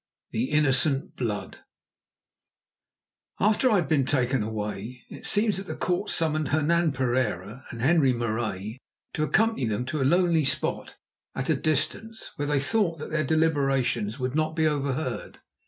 THE INNOCENT BLOOD After I had been taken away it seems that the court summoned Hernan Pereira and Henri Marais to accompany them to a lonely spot at a distance, where they thought that their deliberations would not be overheard.